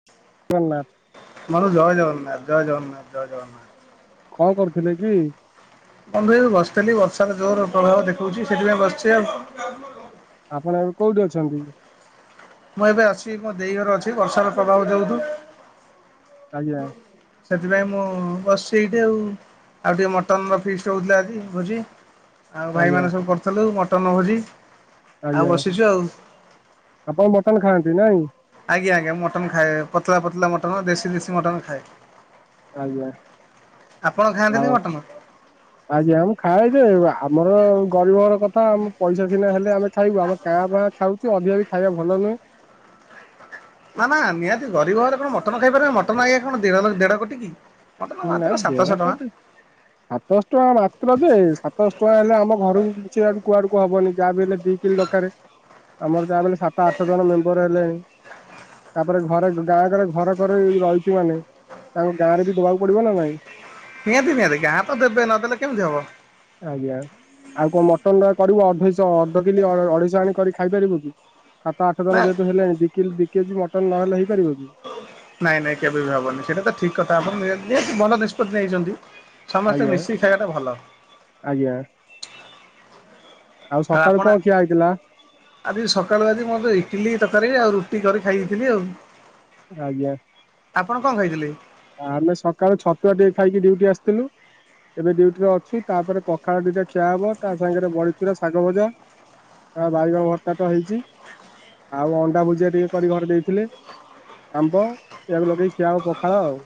[inaudible] [unintelligible] ନା ବନ୍ଧୁ ଜୟ ଜଗନ୍ନାଥ, ଜୟ ଜଗନ୍ନାଥ, ଜୟ ଜଗନ୍ନାଥ। କଣ କରୁଥିଲେ କି? ବନ୍ଧୁ ଏଇ ବସିଥିଲି ବର୍ଷା ତ ଜୋରେ ପ୍ରଭାବ ଦେଖଉଛି ସେଥିପାଇଁ ବସିଛି ଆଉ। ଆପଣ ଏବେ କୋଉଠି ଅଛନ୍ତି? ମୁଁ ଏବେ ଅଛି ମୋ ଦେଇ ଘର ଅଛି ବର୍ଷାର ପ୍ରଭାବ ଦେଉଛୁ। ଆଜ୍ଞା ସେଥିପାଇଁ ମୁଁ ବସିଛି ଏଇଠି ଆଉ। ଆଉ ଟିକେ ମଟନ୍ ର ଫିଷ୍ଟି ହଉଥିଲା ଆଜି ଭୋଜି। ଆଉ ଆଜ୍ଞା ଭାଇମାନେ ସବୁ କରିଥିଲୁ ମଟନ୍ ଭୋଜି। ଆଉ ଆଜ୍ଞା, ବସିଛୁ ଆଉ ଆପଣ ମଟନ୍ ଖାଆନ୍ତି ନାଇଁ? ଆଜ୍ଞା, ଆଜ୍ଞା ମଟନ୍ ଖାଏ, ପତଳା ପତଲା ମଟନ୍ ଦେଶୀ ମିଶି ମଟନ୍ ଖାଏ। ଆଜ୍ଞା, ଆପଣ ଖାଆନ୍ତିନି ଆଉ ମଟନ? ଆଜ୍ଞା ଆମେ ଖାଏ ଯେ, ଏ ଆମର ଗରିବ ଘର କଥା ଆମ ପଇସା ସିନା ହେଲେ ଆମେ ଖାଇବୁ। ଆମେ କାଁ ଭାଁ ଖାଉଚୁ, ଅଧିକା ବି ଖାଇବା ଭଲ ନୁହେଁ। ନା ନା ନିହାତି ଗରିବ ଘରେ କଣ ମଟନ୍ ଖାଇପାରିବ, ମଟନ୍ ଏ କଣ ଦେର ଦେଢ଼ କୋଟି କି। ମଟନ୍ ନା ମାତ୍ର ଦେଢ ସାତଶହ ଟଙ୍କା। [inaudible] ସାତଶହ ଟଙ୍କା ମାତ୍ର ଯେ, ସାତଶହ ଟଙ୍କା ହେଲେ ଆମ ଘରକୁ କିଛି ଆଡୁ କୁଆଡ଼କୁ ହବନି। ଯାହା ବି ହେଲେ ଦି କିଲ୍ ଦ କାରେ ଆମର ଯାହା ବି ହେଲେ ସାତ ଆଠ ଜଣ ମେମ୍ବର୍ ହେଲେଣି। ତାପରେ ଘରେ ଗାଁ କରେ ଘର କରି ରହିଛୁ ମାନେ ଆମ ଗାଁରେ ବି ଦବାକୁ ପଡ଼ିବ ନା ନାଇଁ। ନିହାତି ନିହାତି ଗାଁ ତ ଦେବେ ନଦେଲେ କେମିତି ହବ। ଆଜ୍ଞା। ଆଉ କଣ ମଟନ୍ ଟା କରିବୁ ଅଧେଇଶ ଅଧ କିଲି ଅ, ଅଢ଼େଇ ଶହ ଆଣି କରି ଖାଇ ପାରିବୁ କି। ସାତ ଆଠ ନା ଜଣ ଯେହେତୁ ହେଲେଣି ଦି କିଲ୍ ଦି କେଜି ମଟନ୍ ନହେଲେ ହେଇପାରିବ କି? ନାଇଁ ନାଇଁ କେବେ ବି ହବନି, ସେଟା ତ ଠିକ କଥା ଆପଣ ନି [unintelligible] ଭଲ ନିଷ୍ପତ୍ତି ନେଇଛନ୍ତି। ସମସ୍ତେ ଆଜ୍ଞା ମିଶିକି ଖାଇବା ଟା ଭଲ। ଆଜ୍ଞା। ଆଉ ସକାଳୁ କଣ ଖିଆ ହେଇଥିଲା? ଆଜି ସକାଳୁ ଆଜି ମୁଁ ତ ଇଟିଲି ତରକାରୀ ଆଉ ରୁଟିି କରି ଖାଇ ଦେଇଥିଲି ଆଉ। ଆଜ୍ଞା। ଆପଣ କଣ ଖାଇଥିଲେ? ଆମେ ସକାଳୁ ଛତୁଆ ଟିକେ ଖାଇକି ଡ୍ୟୁଟି ଆସିଥିଲୁ। ଏବେ ଡିୟୁଟି ଅଛୁ, ତାପରେ ପଖାଳ ଦିଟା ଖିଆ ହବ ତା ସାଙ୍ଗରେ ବଡିଚୁରା ଶାଗ ଭଜା। ଅ, ବାଇଗଣ ଭର୍ତ୍ତା ତ ହେଇଛି, ଆଉ ଅଣ୍ଡା ଭୁଜିଆ ଟିକେ କରି ଘରେ ଦେଇଥିଲେ। ଆମ୍ବ ସେଇଆକୁ ଲଗେଇ ଖିଆ ହବ ପଖାଳ ଆଉ।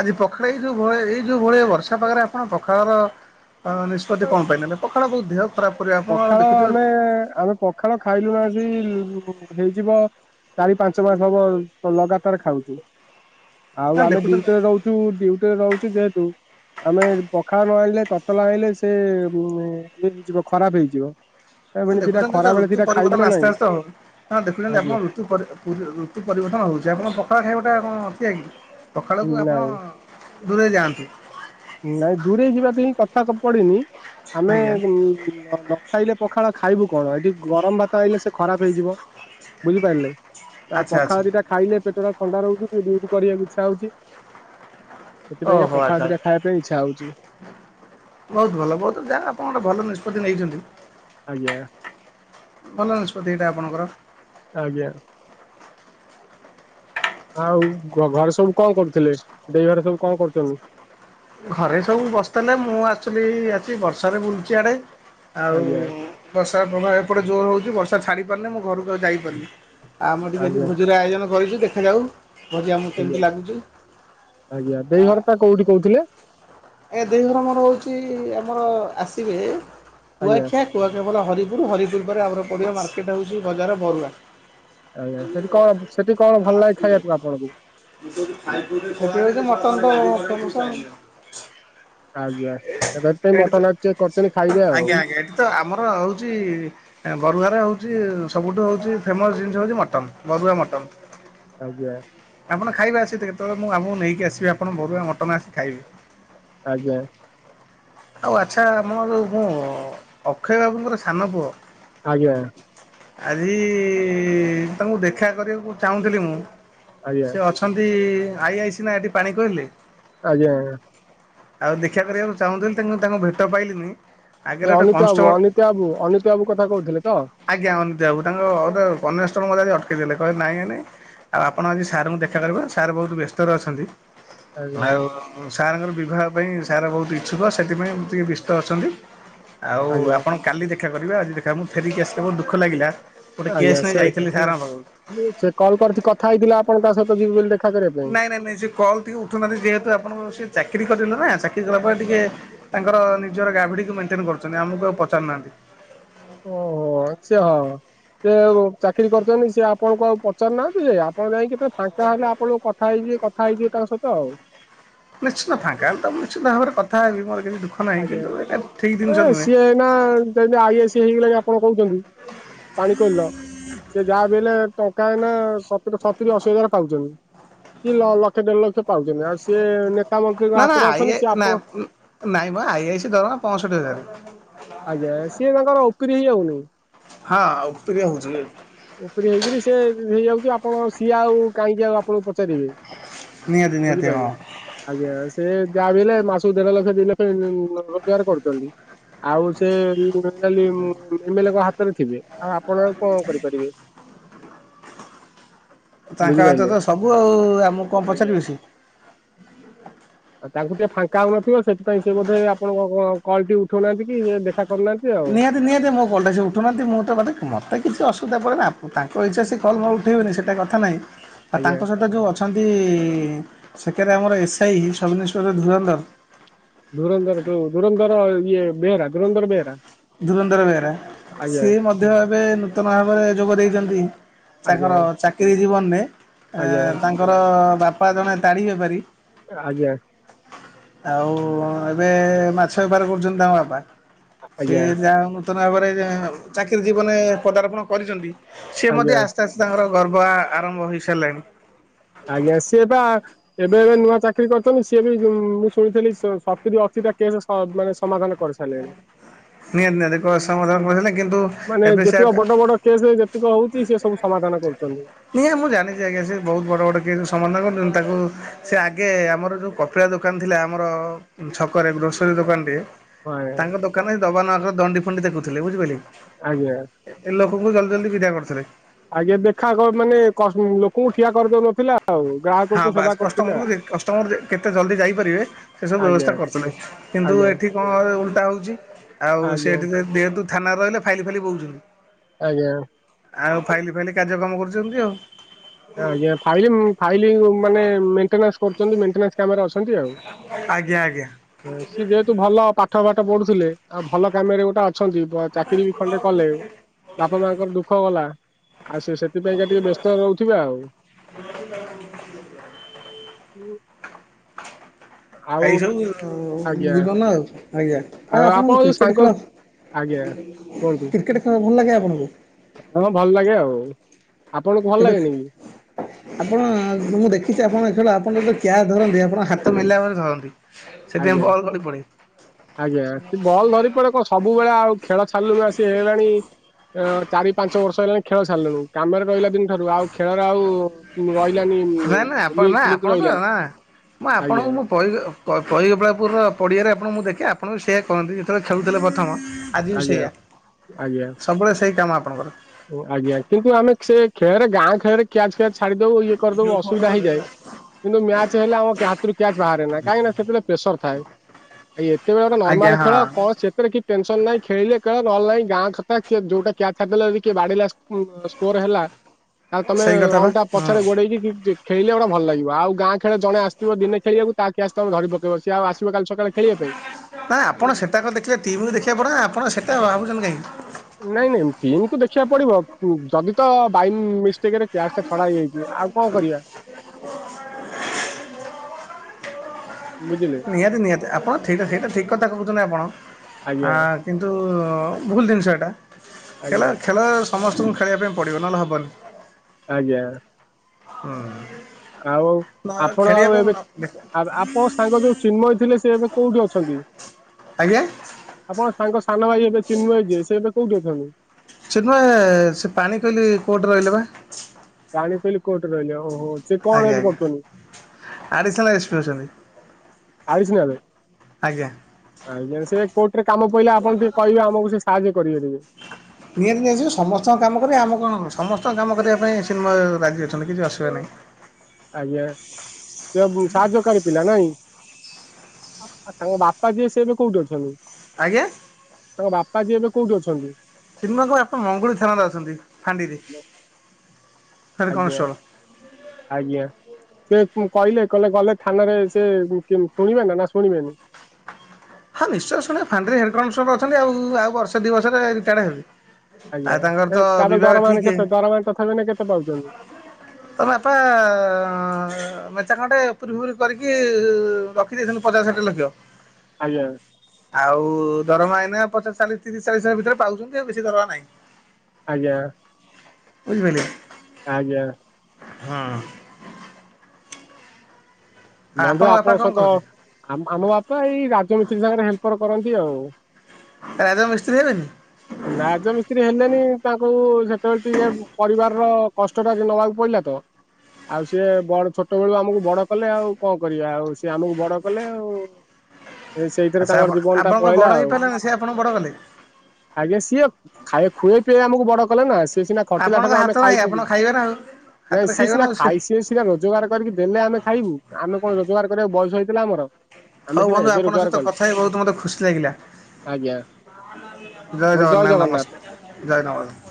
ଆଜି ପଖାଳ ଏଇ ଯୋଉ ଭଳିଆ ଏଇ ଯୋଉ ଭଳିଆ ବର୍ଷା ପାାଗରେ ଆପଣ ପଖାଳର ଅଁ, ନିଷ୍ପତ୍ତି କଣ ପାଇଁ ନେଲେ? ପଖାଳ ତ ଦିହ ପଖାଳ ଆମେ, ଆମେ ପଖାଳ ଖାଇଲୁଣୁ ଆସି ଉ, ହେଇଯିବ ଚାରି ପାଞ୍ଚ ମାସ ହବ ଲଗାତାର ଖାଉଚୁ, ନା ଆଉ ଆମେ ଦେଖୁଛନ୍ତି ଡ୍ୟୁଟିରେ ରହୁ ତୁ ଡ୍ୟୁଟିରେ ରହୁଚି ଯେହେତୁ ଆମେ ପଖାଳ ନ ଆଇଁଲେ ତତଲା ଆଇଁଲେ ସେ ଉଁ ଏ ଇଏ ହେଇଯିବ। ଖରାପ ହେଇଯିବ। ଏମିତି ଦିଟା ଦେଖୁଛନ୍ତି ଖରା ତ ବେଳେ ଋତୁ ଦିଟା ଖାଇବୁ ନା ପରିବର୍ତ୍ତନ ନାଇଁ ଆସ୍ତେ ଆସ୍ତେ ହଉ ହଁ ଦେଖୁଛନ୍ତି ଆଜ୍ଞା ଆପଣ ଋ ଋତୁ ପରି ଏ ପୁରି ଋତୁ ପରିବର୍ତ୍ତନ ହଉଛି ଆପଣ ପଖାଳ ଖାଇବାଟା କଁ ଅଖିଆ କି ପଖାଳକୁ ଆପଣ ନାଇଁ ଦୂରେଇ ଯାଆନ୍ତୁ। ନାଇଁ ଦୂରେଇ ଯିବାକୁ ହିଁ କଥା ପଡିନି ଆମେ ଆଜ୍ଞା ଉଁ [unintelligible] ଖାଇଲେ ପଖାଳ ଖାଇବୁ କଣ ଏଠି ଗରମ ଭାତ ଆଇଲେ ସେ ଖରାପ ହେଇଯିବ ବୁଝିପାରିଲେ। ଆ ଆଚ୍ଛା ଆଚ୍ଛା ପଖାଳ ଦି ଟା ଖାଇଲେ ପେଟଟା ଥଣ୍ଡା ରହୁଚି ଟିକେ ଡିଉଟି କରିବାକୁ ଇଚ୍ଛା ହଉଚି। ସେଥିପାଇଁକା ପଖାଳ ଦିଟା ଖାଇବା ପାଇଁ ଇଚ୍ଛା ହଉଚି। ବୋହୁତ ଭଲ ବୋହୁତୁ ଯା ଆପଣ ଗୋଟେ ଭଲ ନିଷ୍ପତ୍ତି ନେଇଛନ୍ତି। ଆଜ୍ଞା ଭଲ ନିଷ୍ପତ୍ତି ଏଇଟା ଆପଣଙ୍କର। ଆଜ୍ଞା। ଆଉ ଘ ଘରେ ସବୁ କଁ କରୁଥିଲେ ଦେଇ ଘରେ ସବୁ କଁ କରୁଛନ୍ତି? ଘରେ ସବୁ ବସିତେଲେ ମୁଁ ଆକ୍ଚୁଏଲି ଆସି ବର୍ଷାରେ ବୁଲୁଚି ଆଡେ ଆଉ ଆଜ୍ଞା ବର୍ଷାର ପ୍ରଭାବ ଏପଟେ ଜୋର ହଉଚି ବର୍ଷା ଛାଡି ପାରୁନିଁ ମୁଁ ଘରକୁ ଆଉ ଯାଇପାରୁନି। ଆମ ଟିକେ ଆଜି ଆଜ୍ଞା ଭୋଜିର ଆୟୋଜନ କରିଚୁ ଦେଖାଯାଉ। ଭୋଜି ଆମକୁ କେମିତି ଆଜ୍ଞା ଲାଗୁଛି। ଆଜ୍ଞା ଦେଇ ଘରଟା କୋଉଠି କହୁଥିଲେ? ଆଜ୍ଞା ଦେଇଘର ମୋର ହଉଚି ଆମର ଆସିବେ ଆଜ୍ଞା କୁଆଖିଆ କୁଆଖାଇ ପରେ ହରିପୁର ହରିପୁର ପରେ ଆମର ପଡିବ ମାର୍କେଟ ହଉଚି ବଜାର ବରୁଆଁ। ଆଜ୍ଞା ସେଠି କଁ ସେଠି କଣ ଭଲ ଲାଗେ ଖାଇଆକୁ ଆପଣଙ୍କୁ? ଏଠି ହେଇଟି ମଟନଟା ଫେମସ। ଆଜ୍ଞା ତ ସେଇଥିପାଇଁ ଏଇଠି ତ ମଟନ ଆଜି କରିଚନ୍ତି ଖାଇବେ ଆଉ। ଆଜ୍ଞା ଆଜ୍ଞା ଏଠି ତ ଆମର ଆଉଚି ଏଁ ବରୁଆଁରେ ହଉଚି ସବୁଠୁ ହଉଚି ଫେମସ୍ ଜିନିଷ ହଉଛି ମଟନ୍ ବରୁଆଁ ମଟନ୍। ଆଜ୍ଞା। ଆପଣ ଖାଇବେ ଆସିକି ତ କେତବେଳେ ମୁଁ ଆମୁକୁ ନେଇକି ଆସିବି ଆପଣ ବରୁଆଁ ମଟନ ଆସିକି ଖାଇବେ। ଆଜ୍ଞା। ଆଉ ଆଚ୍ଛା ଆମନ ଯୋଉ ମୋ ଅକ୍ଷୟ ବାବୁଙ୍କର ସାନ ପୁଅ ଆଜ୍ଞା। ଆଜି ତମୁକୁ ଦେଖା କରିବାକୁ ଚାହୁଁଥିଲି ମୁଁ ଆଜ୍ଞା ସେ ଅଛ ହନ୍ତି ଆଇ ଆଇ ସି ନା ଏଠି ପାଣି କୋଇଲିଲେ ଆଜ୍ଞା ଆଜ୍ଞା। ଆଉ ଦେଖିଆ କରିବାକୁ ଚାହୁଁଥିଲି ତେଣୁ ତାଙ୍କ ଭେଟ ପାଇଲିନି। ଆଗରେ ଏ ଗୋଟେ ଅନିତି ବାବୁ କନଷ୍ଟେବଳ ଅନିତି ବାବୁ ଅନିତି ବାବୁ କଥା କହୁଥିଲେ ତ? ଆଜ୍ଞା ଅନିିତି ବାବୁ ତାଙ୍କ ଗୋଟେ କନେଷ୍ଟବଳ ମତେ ଆଜି ଅଟକେଇ ଦେଲେ କହିଲେ ନାଇଁ ଏଇନେ ଆଉ ଆପଣ ଆଜି ସାରଙ୍କୁ ଦେଖା କରି ପାରିବେ ସାରେ ବୋହୁତୁ ବେସ୍ତରେ ଅଛନ୍ତି ଆଜ୍ଞା ଆଉ ଉଁ ସାରଙ୍କର ବିବାହ ପାଇଁ ସାରେ ବୋହୁତ ଇଚ୍ଛୁକ ସେଥିପାଇଁ ଉଁ ଟିକେ ବେସ୍ତ ଅଛନ୍ତି। ଆଉ ଆଜ୍ଞା ଆପଣ କାଲି ଦେଖା କରିବେ ଆଜି ଦେଖା ମୁଁ ଫେରିକି ଆସିଲେ ବୋହୁତ ଦୁଃଖ ଲାଗିଲା। ଗୋଟେ କେସ୍ ନେଇ ଯାଇଥିଲି ସାରଙ୍କ ପାଖୁକୁ। ସିଏ କଲ୍ କରିଥି କଥା ହେଇଥିଲା ଆପଣ ତା ସହିତ ଯିବି ବୋଲି ଦେଖା କରିବା ପାଇଁ। ନାଇଁ ନାଇଁ ନାଇଁ ସିଏ କଲଟିକୁ ଉଠଉନାହାନ୍ତି ଯେହେତୁ ଆପଣଙ୍କ ସିଏ ଚାକିରି କରିଛନ୍ତି ନୁହଁ ନା ଚାକିରି କଲା ପରେ ଟିକେ ତାଙ୍କର ନିଜର ଗ୍ରାଭିଡିକୁ ମେଣ୍ଟେନ କରୁଛନ୍ତି ଆମୁକୁ ଆଉ ପଚାରୁନାହାନ୍ତି। ଓହୋ ଆଚ୍ଛା ହଁ। ସିଏ ଆଉ ଚାକିରି କରିଛନ୍ତି ସିଏ ଆପଣଙ୍କୁ ଆଉ ପଚାରୁନାହାନ୍ତି ଇଏ ଆପଣ ଯାଇଁ କେତେ ଫାଙ୍କା ହେଲେ ଆପଣଙ୍କୁ କଥା ହେଇଯିବେ, କଥା ହେଇଯିବେ ତାଙ୍କ ସହିତ ଆଉ। ନିଶ୍ଚନ୍ତ, ଫାଙ୍କା ହେଲେ ତ ମୁ ନିଶ୍ଚିତ ଭାବରେ କଥା ହେବି, ମୋର କିଛି ଦୁଃଖ ନାହିଁ, କିନ୍ତୁ ଏଟା ଠିକ ଜିନିଷ ନୁହେଁ। ନା, ଯେନ୍ତି ଆଇ ଏସି ହେଇଗଲେଣି ଆପଣ କହୁଛନ୍ତି, ପାଣି କୋଇଲିର ସେ ଯାହା ବି ହେଲେ ଟଙ୍କା ଏଇନା, ସତ-ସତୁରି ଅଶୀ ହଜାର ପାଉଛନ୍ତି। କି ଲ ଲକ୍ଷ ଦେଢ ଲକ୍ଷ ପାଉଛନ୍ତି, ଆଉ ସିଏ ନେତା ମନ୍ତ୍ରୀଙ୍କ ନା ନା ହାତରେ ଆଇ ଅଛନ୍ତି, ଆଇ ସିଏ ନା ଆପଣ ନାଇଁ ମ, ଆଇ ଆଇ ସି ଦରମା ପଁଷଠି ହଜାରେ। ଆଜ୍ଞା, ସିଏ ତାଙ୍କର ଓପରି ହେଇଯାଉନି? ହଁ ଉପରିଆ ହଉଛି ଉପରି ହେଇକିରି ସେ ହେଇଯାଉଛି, ଆପଣ ସିଏ ଆଉ କାହିଁକି ଆଉ ଆପଣଙ୍କୁ ପଚାରିବେ। ନିହାତି ନିହାତି ହଁ। ବୁଝିପାଇଲେ? ଆଜ୍ଞା, ସେ ଯାହା ବି ହେଲେ, ମାସକୁ ଦେଢ ଲକ୍ଷ ଦି ଲକ୍ଷ [unintelligible] ରୋଜଗାର କରୁଚନ୍ତି। ଆଉ ସେ [unintelligible] ଏମଲେଙ୍କ ହାତରେ ଥିବେ, ଆଉ ଆପଣ କଣ କରିପାରିବେ? ତାଙ୍କ ହାତରେ ବୁଝିପାରିଲେ ତ ସବୁ ଆଉ, ଆମକୁ କଣ ଆଜ୍ଞା। ପଚାରିବେ ସିଏ। ଅ, ତାଙ୍କୁ ଟିକେ ଫାଙ୍କା ହଉନଥିବ, ସେଥିପାଇଁ ସେ ବୋଧ ଆପଣଙ୍କ କ-କଲ୍ ଟି ଉଠଉନାହାନ୍ତି କି ଦେଖା କରୁନାହାନ୍ତି ଆଉ ନିହାତି ନିହାତି, ମୋ କଲ୍ ଟା ସିଏ ଉଠଉନାହାନ୍ତି, ମୁଁ ତ ମତେ ମତେ କିଛି ଅସୁବିଧା ପଡିଲା, ତାଙ୍କ ଇଛା ସିଏ କଲ୍ ମୋର ଉଠେଇବେନି, ସେଟା କଥା ନାହିଁ। ଆଉ ଆଜ୍ଞା ତାଙ୍କ ସହିତ ଯୋଉ ଅଛନ୍ତି, ସେକେରେ ଆମର ଏସ୍ଆଇ, ସବ୍ଇନ୍ସପେକ୍ଟର ଧୁରନ୍ଧର। ଧୁରନ୍ଧର, ଯଉ ଧୁରନ୍ଧର, ଇଏ ବେହେରା ଧୁରନ୍ଧର ବେହେରା। ଧୁରନ୍ଧର ବେହେରା, ଆଜ୍ଞା। ସିଏ ମଧ୍ୟ ଏବେ ନୂତନ ଭାବରେ ଯୋଗ ଦେଇଛନ୍ତି। ଆଜ୍ଞା ତାଙ୍କର ଚାକିରୀ ଜୀବନରେ, ଏଁ ଆଜ୍ଞା ତାଙ୍କ ତାଙ୍କର, ବାପା ଜଣେ ତାଡି ବେପାରୀ ଆଜ୍ଞା। ଆଉ, ଏବେ ମାଛ ବେପାର କରୁଛନ୍ତି ତାଙ୍କ ବାପା। ସିଏ ଆଜ୍ଞା ଯାହା ହଉ ନୂତନ ଭାବରେ ଚାକିରି ଜୀବନରେ ପଦାର୍ପଣ କରିଛନ୍ତି, ସିଏ ଆଜ୍ଞା ମଧ୍ୟ ଆସି ଆସ୍ତେ ଆସ୍ତେ, ତାଙ୍କର ଗର୍ବ ଆ-ଆରମ୍ଭ ହୋଇସାରିଲାଣି। ଆଜ୍ଞା, ସିଏ ପା ଏବେ ଏବେ ନୂଆ ଚାକିରି କରିଚନ୍ତି, ସିଏ ବି ମୁଁ ଶୁଣିଥିଲି, ସତୁରି ଅଶିଟା କେସ ହଁ, ମାନେ ସମାଧାନ କରିସାରିଲେଣି। ନିହାତି ନିହାତି। ମୁଁ ସମାଧାନ ସବ୍, କରିଥିଲେ କିନ୍ତୁ ମାନେ ଏବେ ସେ ଯେତିକ ବଡ ବଡ କେସେ ଯେତିକି ହଉଛି, ସେ ସବୁ ସମାଧାନ କରୁଚନ୍ତି। ହୁଏ, ସିଏ ମୁଁ ଜାଣିଛି ଆଜ୍ଞା, ସେ ବହୁତ ବଡ଼ ବଡ଼ କେସ୍ ସମାଧାନ କରିଛନ୍ତି, ତାକୁ ସେ ଆଗେ ଆମର ଯୋଉ କପିଳା ଦୋକାନ ଥିଲା, ଆମର ଛକରେ ଗ୍ରୋସରୀ ଦୋକାନଟିଏ। ହଁ ତାଙ୍କ ଦୋକାନରେ ଦବାନବା ଦଣ୍ଡି ଫଣ୍ଡି ଦେଖୁଥିଲେ, ବୁଝିପାରିଲେ କି? ଆଜ୍ଞା। ଏ ଲୋକଙ୍କୁ ଜଲ୍ଦି ଜଲ୍ଦି ବିଦା କରୁଥିଲେ। ଆଜ୍ଞା, ଦେଖା କ, ମାନେ କସ ଲୋକଙ୍କୁ ଠିଆ କରିଦଉନଥିଲା। ଆଉ ଗ୍ରାକ୍ ହଁ ବାସ୍, କଷ୍ଟମରକୁ କଷ୍ଟମର କେତେ ଜଲ୍ଦି ଯାଇପାରିବେ, ସେସବୁ ଆଜ୍ଞା ବ୍ୟବସ୍ଥା କରୁଥିଲେ। କିନ୍ତୁ ଆଜ୍ଞା ଏଠି କଣ ଏବେ ଉଲଟା ହଉଛି, ଆଉ ଆଜ୍ଞା ସେ [unintelligible] ଥାନାରେ ରହିଲେ, ଫାଇଲି ଫାଇଲି ବଉଛନ୍ତି। ଆଜ୍ଞା। ଆଉ ଫାଇଲି ଫାଇଲି କାର୍ଯ୍ୟ କାମ କରୁଛନ୍ତି, ଆଉ ଆଜ୍ଞା, ଫାଇଲିମ ଫାଇଲି ମାନେ ମେଣ୍ଟେନାନ୍ସ କରୁଛନ୍ତି, ମେଣ୍ଟେନାନ୍ସ କାମରେ ଅଛନ୍ତି ଆଉ ଆଜ୍ଞା ଆଜ୍ଞା। ସିଏ ଯେହେତୁ ଭଲ ପାଠ ଫାଠ ପଢୁଥିଲେ, ଆଉ ଭଲ କାମରେ ଗୋଟେ ଅଛ୍ ଅଛନ୍ତି ବ ଚାକିର ବି ଖଣ୍ଡେ କଲେ ବାପା ମାଙ୍କର ଦୁଃଖ ଗଲା। ଆଉ ସେ ସେଥିପାଇଁକା ଟିକେ ବ୍ୟସ୍ତରେ ରହୁଥିବେ ଆଉ [unintelligible] ଆଉ ଏଇ ସବୁ ଆଜ୍ଞା ଜୀବନ ଆଉ ଆଜ୍ଞା ଆ ଆଉ ଆପଣଙ୍କୁ ଆପଣ ଯୋଉ କ୍ରିକେଟ ସାଙ୍ଗ ଖେଳ ଆଜ୍ଞା କୁହନ୍ତୁ କ୍ରିକେଟ ଖେଳ ଭଲ ଲାଗେ ଆପଣଙ୍କୁ ହଁ ଭଲ ଲାଗେ ଆଉ ଆପଣଙ୍କୁ ଭଲ କେବେ ଲାଗେନି କି। ଆପଣ ମୁଁ ଦେଖିଛି ଆପଣଙ୍କ ଏଥର ଆପଣ ଯେତେବେଳେ କ୍ୟାଚ ଧରନ୍ତି ଆପଣଙ୍କ ହାତ ମେଲା କରି ଧରନ୍ତି। ସେଥିପାଇଁ ଆଜ୍ଞା ବଲ୍ ଗଳି ପଡ଼େ। ଆଜ୍ଞା, ସେ ବଲ ଧରି ପଡେ କ ସବୁବେଳେ ଆଉ ଖେଳ ଛାଡଲୁଣି ଆ ସି ହେଇଗଲାଣି। ଚାରି ପାଞ୍ଚ ବର୍ଷ ହେଲାଣି ଖେଳ ଛାଡ଼ିଲୁଣ କାମରେ ରହିଲା ଦିନ ଠାରୁ ଆଉ ଖେଳର ଆଉ। ରହିଲାନି ନା ନା ଆପଣ ଲିଙ୍କ୍ ନା ଫ୍ଲିଙ୍କ ରହିଲାନି, ଆଜ୍ଞା। [unintelligible] ପଇ ପଈଗୋପଳାପୁର ପଡ଼ିଆରେ ଆପଣ ମୁଁ ଦେଖେ ଆପଣ ବି ସେଆ କରହନ୍ତି ଯେତେବେଳେ ଖେଳୁଥିଲେ ପ୍ରଥମ। ଆଜି ବି ଆଜ୍ଞା ସେଇଆ ସବୁବେଳେ ସେଇ କାମ ଆପଣଙ୍କର। ଆଜ୍ଞ, କିନ୍ତୁ, ଆମେ ସେ ଖେଳ ରେ ଗାଁ ଖେଳରେ କ୍ୟାଚ୍ ଫ୍ୟାଚ ଛାଡିଦବୁ ଇଏ କରିଦବ ଅସୁବିଧା ହେଇଯାଏ। କିନ୍ତୁ ମ୍ୟାଚ ହେଲେ ଆମ ହାତରୁ କ୍ୟାଚ ବାହାରେ ନା କାହିଁକି ନା ସେଥିରେ ପ୍ରେସର ଥାଏ। ଇଏତ ବଳର ଆଜ୍ଞା ନର୍ମାଲ ହଁ ଖେଳ କଣ ସେ ସେଥରେ କିଛି ଟେନସନ ନାଇଁ ଖେଳିଲେ ଖେଳ ନ ହେଲା ନାଇଁ ଗାଁ କଥା ଯୋଉଟା କ୍ୟାଚ ଛାଡ଼ିଦେଲେ ବି କିଏ ବାଦେଇଲା ସ୍କୋର ହେଲା ତାଲେ ତମେ ସେଇ କଥା ବା ରନ ଟା ହୁଁ ପଛରେ ଗୋଡେଇକି ଖେଳିଲେ ଗୋଟ ଭଲ ଲାଗିବ। ଆଉ ଗାଁ ଖେଳ ଜଣେ ଆସିଥିବା ଦିନେ ଖେଳିବାକୁ ତା କ୍ୟାଚ ତମେ ଧରି ପକେଇବ ସେ ଆଉ ଆସିବ କାଲି ସକାଳେ ଖେଳିବା ପାଇଁ। ନା ଆପଣ ସେଟା ଗ ଦେଖିଲେ ଟିମକୁ ଦେଖିବାକୁ ପଡିବନା ଆପଣ ସେଟା ଭାବୁଛନ୍ତି କାହିଁକି? ନାଇଁ ନାଇଁ ଟିମ୍ କୁ ଦେଖିବାକୁ ପଡିବ ଯଦି ତ ବାଇ ମି- ସଟେକରେ କ୍ୟାଚ୍ ଟା ଛଡା ହେଇଯାଇଛି ଆଉ କଣ କରିବା। ବୁଝିଲେ ନିହାତି ନିହାତି ଆପଣ ସେଇଠା ସେଇଠା ଠିକ୍ କଥା କହୁଛନ୍ତି ଆପଣ ଆଜ୍ଞା ଆଁ କିନ୍ତୁ ଭୁଲ ଜିନିଷ ଏଇଟା ଖେଳ ଆଜ୍ଞା ଖେଳ ଶ୍ ସମସ୍ତଙ୍କୁ ଖେଳିବା ପାଇଁ ପଡ଼ିବ ନହେଲେ ହବନି। ଆଜ୍ଞା। ହୁଁ। ଆଉ ଆପଣ ଆଉ ଏବେ ଅବ୍ ଆପ ମୋ ସାଙ୍ଗ ଯୋଉ ଚିନ୍ମୟ ଥିଲେ ସେ ଏବେ କୋଉଠି ଅଛନ୍ତି, ଆଜ୍ଞା। ଆପଣ। ତାଙ୍କ ସାନ ଭାଇ ଏବେ ଚିନ୍ମୟ ଯିଏ ସେ ଏବେ କୋଉଠି ଅଛନ୍ତି। ଚିନ୍ମୟ ସେ ପାଣି କୋଇଲି କୋଟରେ ରହିଲେ ବା। ପାଣି କୋଇଲି କୋଟରେ ରହିଲେ ଓହୋ! ସେ କଣ ଆଜ୍ଞା ଏବେ ଆଜ୍ଞା, କରୁଛନ୍ତି? ଆଡିସନାଲ ଏସ୍ପି ଅଛନ୍ତି। ଆଡିସନାଲେ ଆଜ୍ଞା। ଆଜ୍ଞା। ସେ କୋର୍ଟ ରେ କାମ ପଇିଲେ ଆପଣ ଟିକେ କହିବେ ଆମକୁ ସେ ସାହାଯ୍ୟ କରିବେ ଟିକେ। ନିହାତି ନିହାତି ସେ ସମସ୍ତଙ୍କ କାମ କରିବେ ଆମ କଣ ସମସ୍ତଙ୍କ କାମ କରିବା ପାଇଁ ଚିନ୍ମୟ ରାଜି ଅଛନ୍ତି କିଛି ଅସୁବିଧା ନାହିଁ? ଆଜ୍ଞା। ସେ ସାହାଯ୍ୟକାରି ପିଲା ନାଇଁ। ତାଙ୍କ ବାପା ଯିଏ ସିଏ ଏବେ କୋଉଠି ଅଛନ୍ତି? ଆଜ୍ଞା। ତାଙ୍କ ବାପା ଯିଏ ଏବେ କୋଉଠି ଅଛନ୍ତି? ଚିନ୍ମୟୀଙ୍କ ବାପା ମଙ୍ଗୁଳି ଥାନରେ ଅଛନ୍ତି ଫାଣ୍ଡିରେ। ହେଡ୍ ଆଜ୍ଞା। କନଷ୍ଟେବଳ। ଆଜ୍ଞା। ସେ କହିଲେ କହିଲେ ଗଲେ ଥାନାରେ ସେ ଶୁଣିବେ ନା ନା ଶୁଣିବେନି। ହଁ ନିଶ୍ଚୟ ଶୁଣିବେ ଫାଣ୍ଡ୍ରରେ ହେଡ଼ କନେଷ୍ଟବଳ ଅଛନ୍ତି ଆଉ ଆଉ ବର୍ଷେ ଦୁଇ ବର୍ଷରେ ରିଟାୟାର୍ଡ଼ ହେବେ। ଆଜ୍ଞା। ଆଉ ତାଙ୍କର ତ ତାଙ୍କ ବିବାହ ଦରମା ଏଇନା ଠିକ୍ କେତେ ଦରମା ତଥାପି ମାନ ତଥାପି ନା କେତେ ପାଉଛନ୍ତି? ତୋ ବାପା ଅଁ ଅ। ମେଞ୍ଚେ ଖଣ୍ଡେ ଉପୁରି ଫୁପୁରି କରିକି ରଖି ଦେଇଛନ୍ତି ପଚାଶ ଷାଠିଏ ଲକ୍ଷ। ଆଜ୍ଞା। ଆଉ ଦରମା ଏଇନା ପଚାଶ, ଚାଳିଶ, ତିରିଶ, ଚାଳିଶ ହଜାର ଭିତରେ ପାଉଛନ୍ତି ଆଉ ବେଶୀ ଦରମା ନାହିଁ। ଆଜ୍ଞା। ବୁଝିପାଇଲେ। ଆଜ୍ଞା। ହଁ। ବନ୍ଧୁ ବାପା ଆପଣଙ୍କ କଣ ସହିତ କରନ୍ତି? ଆ ଆମ ବାପା ଏଇ ରାଜମିସ୍ତ୍ରୀ ସାଙ୍ଗରେ ହେଲ୍ପର କରନ୍ତି ଆଉ। ରାଜ ମିସ୍ତ୍ରୀ ହେଲେନି। ରାଜମିସ୍ତ୍ରୀ ହେଲେନି ତାଙ୍କୁ ସେତେବେଳେ ଟିକେ ପରିବାର ର। କଷ୍ଟଟା ନବାକୁ ପଡିଲା ତ ଆଉ ସିଏ ବଡ ଛୋଟ ବେଳୁ ଆମକୁ ବଡ କଲେ ଆଉ। କଁ କରିବା ଆଉ ସିଏ ଆମକୁ ବଡ କଲେ ଆଉ। ଏ ସେଇଥିରେ ଆଚ୍ଛା ତାଙ୍କର ଆପଣ ଜୀବନ ଟା ଆପଣଙ୍କ ବଡ ପଳେଇଲା ଆଉ। ହେଇପାରିଲାନି ସେ ଆପଣଙ୍କୁ ବଡ କଲେ। ଆଜ୍ଞା ସିଏ ଖାଏ ଖୁଏଇ ପିଏଇ ଆମକୁ ବଡ କଲେ ନା ସି ସିଏ ସିନା ଖଟିଲା ଆପଣଙ୍କ ଠାରୁ ଆମେ ହାତ ନାହିଁ ଖାଇ ପି ଆପଣ କି ଖାଇବେ ନା ଆଉ ନାଇଁ ହାତରେ ସିଏ ଖାଇବେ ନା ସିନା ଆଉ ସେ ଖାଇ ସିଏ ସ୍ ସିନା ରୋଜଗାର କରିକି ଦେଲେ ଆମେ ଖାଇବୁ ଆମେ କଣ ରୋଜଗାର କରିବାକୁ ବୟସ ହେଇଥିଲା ଆମର। ଆମେ ହଉ ସିନା ବନ୍ଧୁ ଏବେ ଆପଣଙ୍କ ରୋଜଗାର ସହିତ କଲେ କଥା ହେଇ ବହୁତୁ ମତେ ଖୁସି ଲାଗିଲା। ଆଜ୍ଞା ଜୟ ଜଗନ୍ନାଥ ନମସ୍କାର ଜୟ ଜଗ